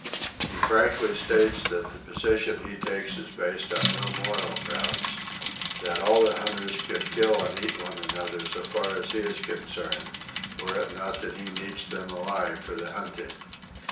He frankly states that the position he takes is based on no moral grounds, that all the hunters could kill and eat one another so far as he is concerned, were it not that he needs them alive for the hunting.